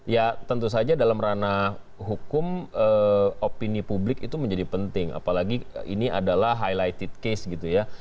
ya tentu saja dalam ranah hukum opini publik itu menjadi penting apalagi ini adalah highlighted case gitu ya